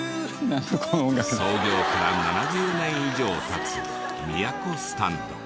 創業から７０年以上経つ都スタンド。